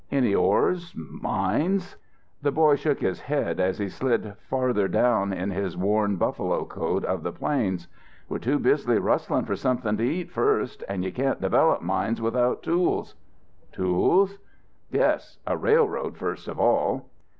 "Any ores mines?" The boy shook his head as he slid farther down in his worn buffalo coat of the plains. "We're too busy rustling for something to eat first. And you can't develop mines without tools." "Tools?" "Yes, a railroad first of all."